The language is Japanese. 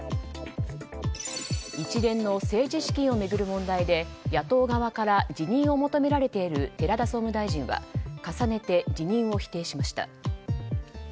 一連の政治資金を巡る問題で野党側から辞任を求められている寺田総務大臣は重ねて辞任を否定しました。